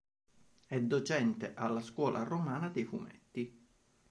È docente alla Scuola romana dei fumetti.